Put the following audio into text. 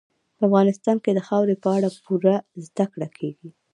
په افغانستان کې د خاورې په اړه پوره زده کړه کېږي.